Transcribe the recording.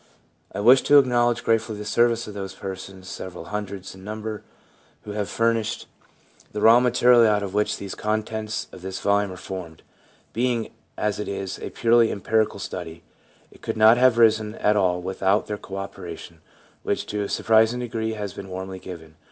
I wish to acknowledge gratefully the services of those persons, several hundreds in number, who have furnished xii AUTHOR'S PREFACE the raw material out of which the contents of this volume are formed. Being, as it is, a purely empirical study, it could not have arisen at all without their co operation, which, to a surprising degree, has been warmly given.